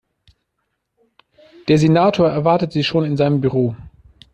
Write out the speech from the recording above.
Der Senator erwartet Sie schon in seinem Büro.